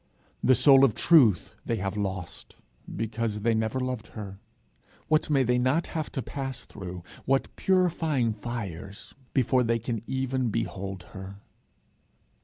The soul of Truth they have lost, because they never loved her. What may they not have to pass through, what purifying fires, before they can even behold her!